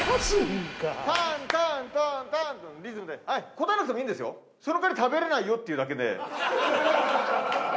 答えなくてもいいんですよその代わり食べれないよっていうだけで。